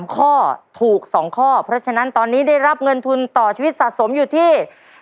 ข้อถูก๒ข้อเพราะฉะนั้นตอนนี้ได้รับเงินทุนต่อชีวิตสะสมอยู่ที่